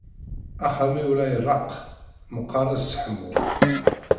Axxam-iw la iṛeqq, meqqaṛ ad sseḥmuɣ.